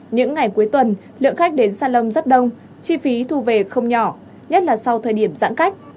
những ngày cuối tuần lượng khách đến sa lâm rất đông chi phí thu về không nhỏ nhất là sau thời điểm giãn cách